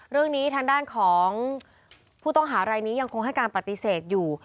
เรื่องนี้ทางด้านของผู้ต้องหารายนี้ยังคงให้การปฏิเสธอยู่